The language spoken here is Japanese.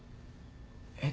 えっ？